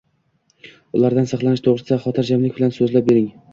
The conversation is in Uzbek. ulardan saqlanish to‘g‘risida xotirjamlik bilan so‘zlab bering.